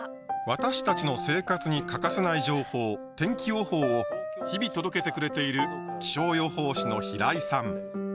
私たちの生活に欠かせない情報「天気予報」を日々届けてくれている気象予報士の平井さん。